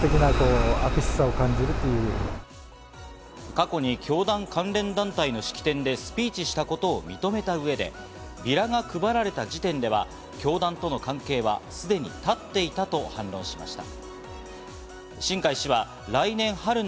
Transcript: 過去に教団関連団体の式典でスピーチしたことを認めた上でビラが配られた時点では教団との関係はすでに断っていたと反論しました。